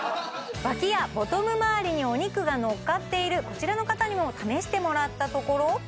脇やボトムまわりにお肉が乗っかっているこちらの方にも試してもらったところ